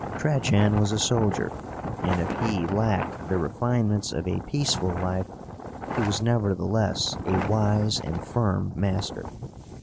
Trajan was a soldier, and, if he lacked the refinements of a peaceful life, he was nevertheless a wise and firm master.